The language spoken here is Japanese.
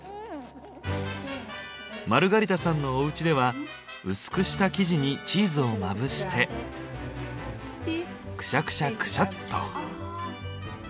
マルガリタさんのおうちでは薄くした生地にチーズをまぶしてクシャクシャクシャっと。